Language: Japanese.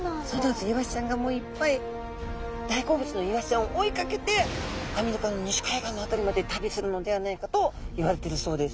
大好物のイワシちゃんを追いかけてアメリカの西海岸の辺りまで旅するのではないかといわれてるそうです。